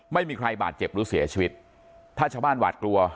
ไม่มีใครบาดเจ็บหรือเสียชีวิตถ้าชาวบ้านหวาดกลัว